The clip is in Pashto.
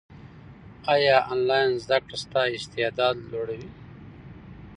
ایا انلاین زده کړه ستا استعداد لوړوي؟